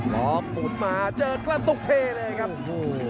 ลองปุ่นมาเจอกล้านตกเทเลยครับ